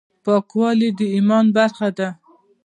پاکوالي د ايمان برخه ده.